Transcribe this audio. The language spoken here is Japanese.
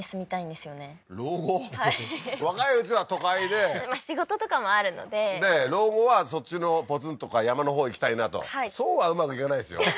はい若いうちは都会で仕事とかもあるのでで老後はそっちのポツンとか山のほう行きたいなとはいそうはうまくいかないですよはははっじゃあまいりましょうか